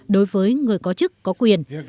đối với người có quyền lực